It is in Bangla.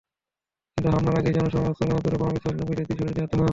কিন্তু হামলার আগেই জনসভাস্থলের অদূরে বোমা বিস্ফোরণে জঙ্গিদের দুই সদস্য নিহত হন।